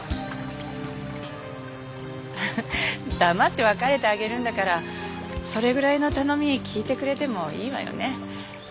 フフ黙って別れてあげるんだからそれぐらいの頼み聞いてくれてもいいわよね。